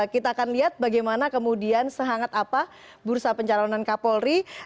kita akan lihat bagaimana kemudian sehangat apa bursa pencalonan kapolri